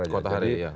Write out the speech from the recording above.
kota kekhari ya